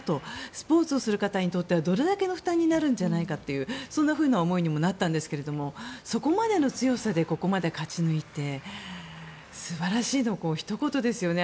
スポーツをする方にとってはどれだけの負担になるんだろうかってそんなふうな思いにもなったんですけどそこまでの強さでここまで勝ち抜いて素晴らしいのひと言ですよね。